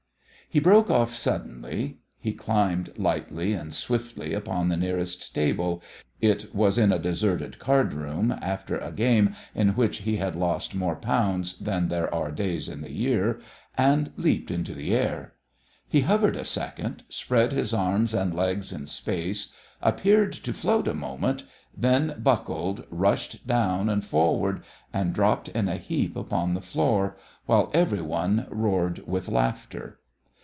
He broke off suddenly. He climbed lightly and swiftly upon the nearest table it was in a deserted card room, after a game in which he had lost more pounds than there are days in the year and leaped into the air. He hovered a second, spread his arms and legs in space, appeared to float a moment, then buckled, rushed down and forward, and dropped in a heap upon the floor, while every one roared with laughter.